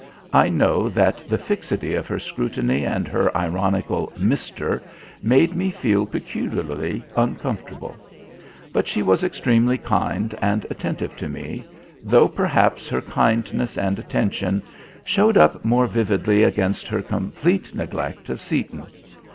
I know that the fixity of her scrutiny and her ironical "Mr." made me feel peculiarly uncomfortable. But she was extremely kind and attentive to me, though perhaps her kindness and attention showed up more vividly against her complete neglect of Seaton.